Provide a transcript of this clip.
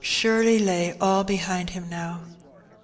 269 surely lay all behind him now.